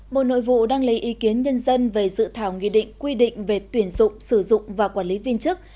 bộ nội vụ đang lấy ý kiến nhân dân về dự thảo nghị định quy định về tuyển dụng sử dụng và quản lý viên chức